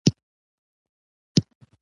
او لوی تړک یې په زړه وخوړ.